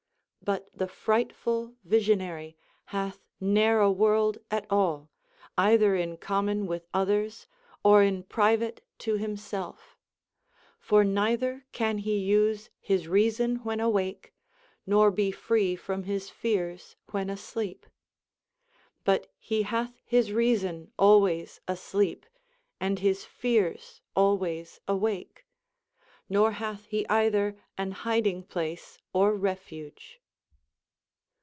But tlie frightful visionary hath ne'er a world at all, either in common with others or in private to himself; for neither can he use his reason when awake, nor be free from his fears when asleep ; but he hath his reason always asleep, and his fears always awake ; nor hath he either an hiding place or refuge.